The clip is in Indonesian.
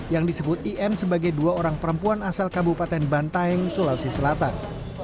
yang disebut in sebagai dua orang perempuan asal kabupaten bantaeng sulawesi selatan